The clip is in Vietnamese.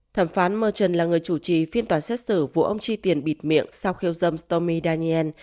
thẩm phán murchon là người chủ trì phiên tòa xét xử vụ ông chi tiền bịt miệng sau khiêu dâm stomy daniel